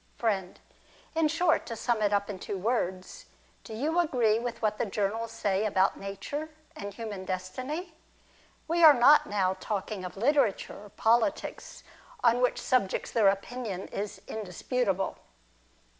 Friend. In short, to sum it up in two words, do you agree with what the journals say about nature, and human destiny ? We are not now talking of literature or politics, on which subjects their opinion is indisputable.